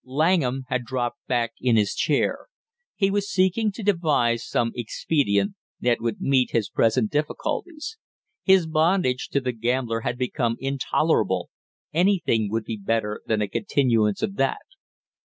Langham had dropped back in his chair. He was seeking to devise some expedient that would meet his present difficulties. His bondage to the gambler had become intolerable, anything would be better than a continuance of that.